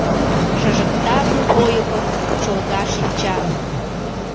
Шыжыкта тул-ойыпым Чолга шинча.